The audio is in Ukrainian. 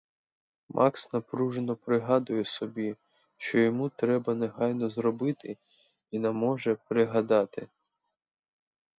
Макс напружено пригадує собі, що йому треба негайно зробити, і на може пригадати.